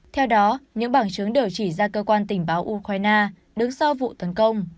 theo đó những bằng chứng đều chỉ ra cơ quan tình báo ukraine đứng sau vụ tấn công